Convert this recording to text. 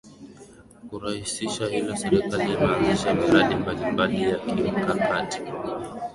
Kurahisisha hilo serikali imeanzisha miradi mbalimbali ya kimkakati